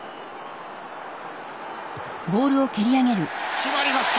決まりました！